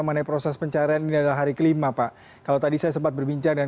mengenai proses pencarian ini adalah hari kelima pak kalau tadi saya sempat berbincang dengan